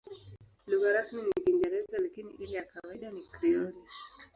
Lugha rasmi ni Kiingereza, lakini ile ya kawaida ni Krioli.